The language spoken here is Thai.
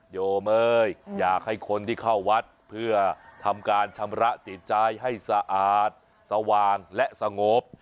โยเม้ยอยากให้คนที่เข้าวัดเพื่อทำการชำระจิตใจให้สะอาดสว่างและสงบ